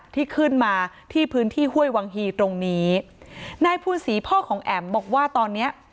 ที่ขึ้นมาที่พื้นที่ห้วยวังฮีตรงนี้นายภูนศรีพ่อของแอ๋มบอกว่าตอนเนี้ย